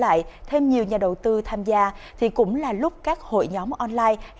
tham gia thêm nhiều nhà đầu tư tham gia thì cũng là lúc các hội nhóm online